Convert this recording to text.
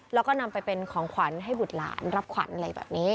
แล้วก็นำไปเป็นของขวัญให้บุตรหลานรับขวัญอะไรแบบนี้